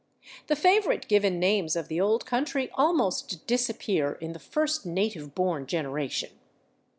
The favorite given names of the old country almost disappear in the first native born generation.